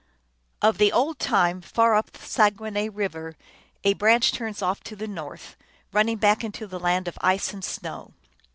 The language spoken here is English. Of the old time. Far up the Saguenay River a branch turns off to the north, running back into the land of ice and snow.